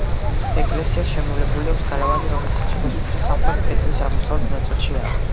ეკლესიას შემოვლებული აქვს გალავანი, რომელსაც შესასვლელი სამხრეთის კედლის აღმოსავლეთ ნაწილში აქვს.